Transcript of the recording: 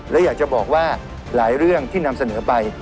และอยากจะบอกว่าหลายเรื่องที่นำเสนอไป